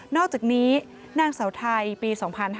อกจากนี้นางเสาไทยปี๒๕๕๙